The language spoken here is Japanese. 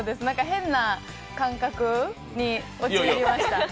変な感覚に陥りました。